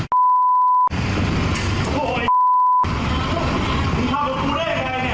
มันกลัวไปมันกลัวไป